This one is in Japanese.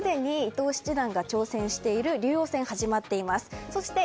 すでに伊藤七段が挑戦している竜王戦が始まっています。